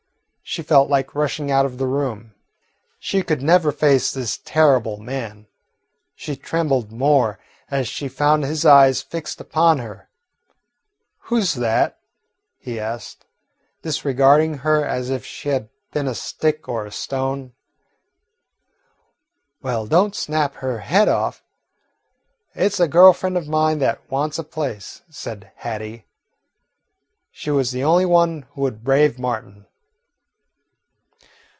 She felt like rushing out of the room. She could never face this terrible man. She trembled more as she found his eyes fixed upon her. "Who 's that?" he asked, disregarding her, as if she had been a stick or a stone. "Well, don't snap her head off. It 's a girl friend of mine that wants a place," said Hattie. She was the only one who would brave Martin.